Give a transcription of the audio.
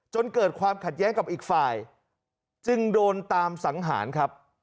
จนเกิดความขัดแย้งกับอีกฝ่ายจึงโดนตามสังหารครับ